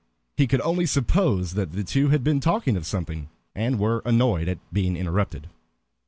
He could only suppose that the two had been talking of something, and were annoyed at being interrupted.